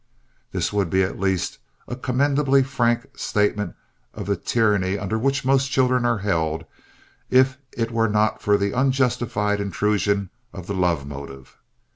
This would be, at least, a commendably frank statement of the tyranny under which most children are held if it were not for the unjustified intrusion of the love motive.